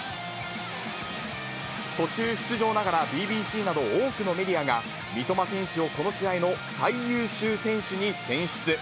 途中出場しながら、ＢＢＣなど多くのメディアが、三笘選手をこの試合の最優秀選手に選出。